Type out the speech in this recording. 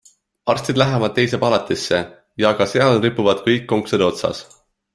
Arstid lähevad teise palatisse ja ka seal ripuvad kõik konksude otsas.